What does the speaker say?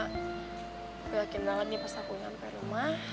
aku yakin banget nih pas aku sampai rumah